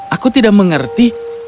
aku tidak mengerti